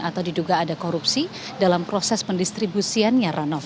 atau diduga ada korupsi dalam proses pendistribusiannya ranoff